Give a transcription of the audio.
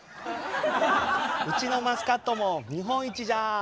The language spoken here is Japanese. うちのマスカットも日本一じゃ。